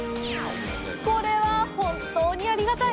これは本当にありがたい！